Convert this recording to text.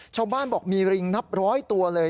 ชาวบ้านบอกมีริงนับร้อยตัวเลย